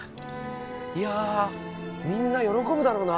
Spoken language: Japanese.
いやみんな喜ぶだろうな！